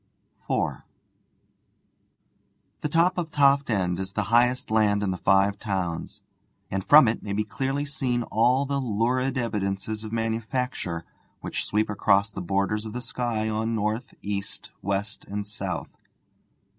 IV The top of Toft End is the highest land in the Five Towns, and from it may be clearly seen all the lurid evidences of manufacture which sweep across the borders of the sky on north, east, west, and south.